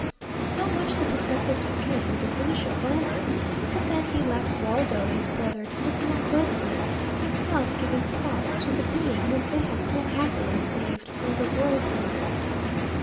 So much the professor took in with his initial glances, but then he left Waldo and his brother to look more closely, himself giving thought to the being whom they had so happily saved from the whirlpool.